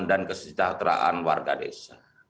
dan kesejahteraan warga desa